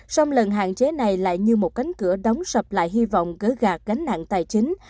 sông lần hạn chế này lại như một cánh cửa đóng sập lại hy vọng gỡ gạt gánh nặng tài chính